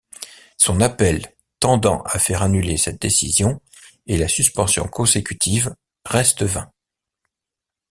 Son appel tendant à faire annuler cette décision et la suspension consécutive reste vain.